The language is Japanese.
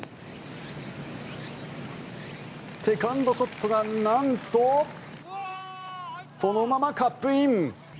セカンドショットがなんとそのままカップイン。